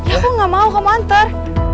ya aku gak mau kamu antar